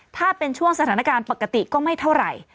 ถ้าเป็นช่วงสถานการณ์ปกติก็ไม่เท่าไหร่